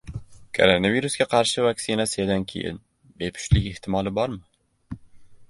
Koronavirusga qarshi vaksinasiyadan keyin bepushtlik ehtimoli bormi?